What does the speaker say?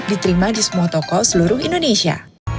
diterima di semua toko seluruh indonesia